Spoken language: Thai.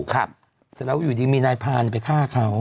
เสร็จแล้วอยู่ดีมีนายพานไปฆ่าเขา